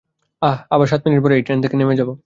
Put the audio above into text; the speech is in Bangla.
আঃ, আর সাত মিনিট পরেই এই ট্রেন থেকে নেমে যাবো।